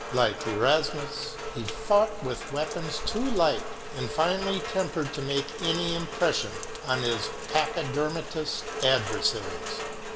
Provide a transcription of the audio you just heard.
Like Erasmus, he fought with weapons too light and finely tempered to make any impression on his pachydermatous adversaries.